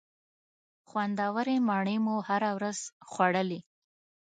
خوندورې مڼې مو هره ورځ خوړلې.